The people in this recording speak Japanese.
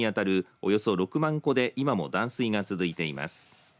およそ６万戸で今も断水が続いています。